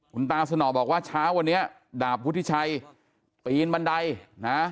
คุณตาสนอบอกว่าเช้าวันนี้ดาบวุฒิชัยปีนบันไดนะ